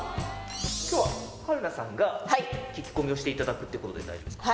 今日は春菜さんがはい聞き込みをしていただくってことで大丈夫ですか？